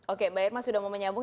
oke mbak irma sudah mau menyambung